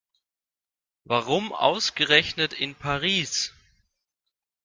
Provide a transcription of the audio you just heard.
Warum ausgerechnet in Paris?